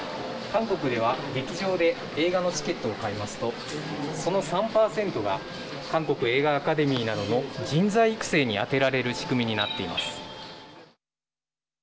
韓国では劇場で映画のチケットを買いますとその３％が韓国映画アカデミーなどの人材育成に充てられる仕組みになっています。